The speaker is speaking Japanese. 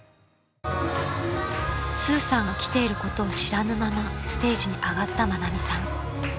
［スーさんが来ていることを知らぬままステージに上がった愛美さん］